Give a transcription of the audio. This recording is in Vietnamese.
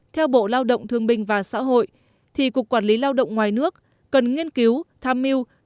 theo bộ lao động thương bình và xã hội thì cục quản lý lao động ngoài nước cần nghiên cứu tham mưu